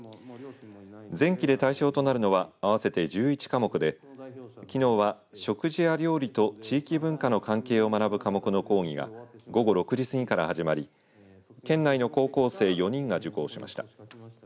前期で対象となるのは合わせて１１科目できのうは、食事や料理と地域文化の関係を学ぶ科目の講義が午後６時過ぎから始まり県内の高校生４人が受講しました。